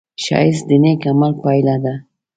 ښایست د نېک عمل پایله ده